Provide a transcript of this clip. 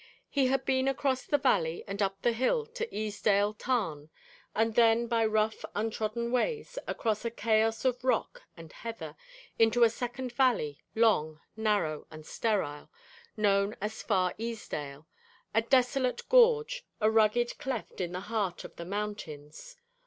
He had been across the valley and up the hill to Easedale Tarn, and then by rough untrodden ways, across a chaos of rock and heather, into a second valley, long, narrow, and sterile, known as Far Easedale, a desolate gorge, a rugged cleft in the heart of the mountains.